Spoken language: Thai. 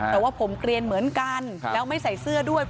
แต่ว่าผมเกลียนเหมือนกันแล้วไม่ใส่เสื้อด้วย